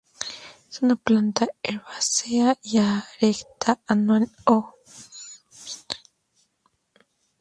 Es una planta herbácea erecta, anual o bienal.